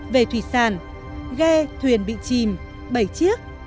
về thủy sản ghe thuyền bị chìm bảy chiếc